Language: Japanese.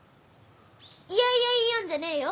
いやいや言いよんじゃねえよ。